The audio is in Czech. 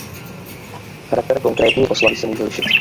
Charakter konkrétní oslavy se může lišit.